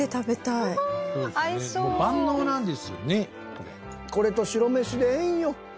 これと白飯でええんよ。